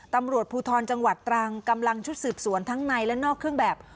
ตำรวจภูทรจังหวัดตรังกำลังชุดสืบสวนทั้งในและนอกเครื่องแบบ